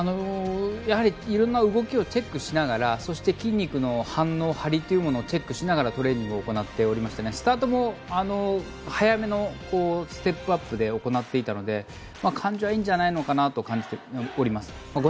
やはり色んな動きをチェックしながらそして、筋肉の反応張りというものをチェックしながらトレーニングを行っていましてスタートも早めのステップアップで行っていたので感じはいいんじゃないかなと感じております。